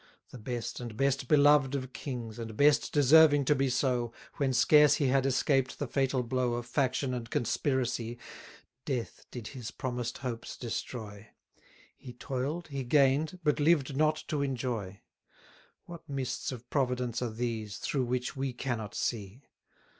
The best, and best beloved of kings, And best deserving to be so, When scarce he had escaped the fatal blow Of faction and conspiracy, Death did his promised hopes destroy: He toil'd, he gain'd, but lived not to enjoy. What mists of Providence are these, Through which we cannot see!